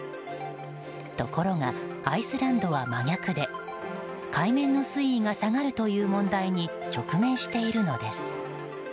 ところが、アイスランドは真逆で海面の水位が下がるという問題に直面しているのです。